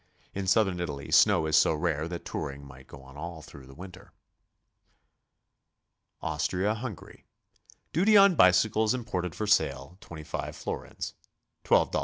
In Southern Italy sno'W is so rare that touring might go on all through the winter. AUSTRIA HUNGARY. Duty on bicycles imported for sale, 25 florins, — $12.